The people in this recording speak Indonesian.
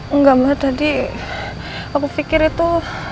enggak mbak tadi aku pikir itu